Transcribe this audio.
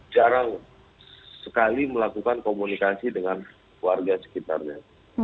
jarang sekali melakukan komunikasi dengan warga sekitarnya